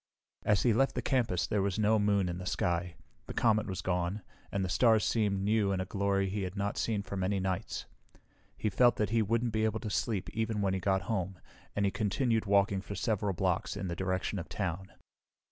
As he left the campus there was no moon in the sky. The comet was gone, and the stars seemed new in a glory he had not seen for many nights. He felt that he wouldn't be able to sleep even when he got home, and he continued walking for several blocks, in the direction of town.